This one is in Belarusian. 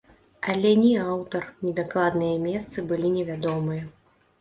Але ні аўтар, ні дакладныя месцы былі невядомыя.